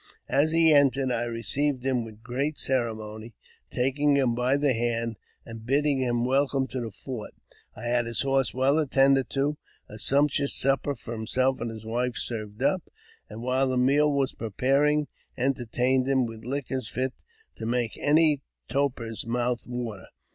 As he entered, I received him with great ceremony, taking him by the hand, and bidding him welcome to the fort. I had his horses well attended to, a sumptuous supper for himself and wife served up, and, while the meal was preparing, entertains him with liquors fit to make any toper's mouth water.